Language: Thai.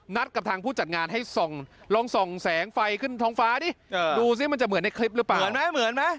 นัดกับทางผู้จัดงานให้ลองส่องแสงไฟขึ้นท้องฟ้าดูสิมันจะเหมือนในคลิปรึเปล่า